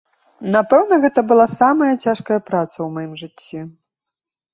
Напэўна, гэта была самая цяжкая праца ў маім жыцці.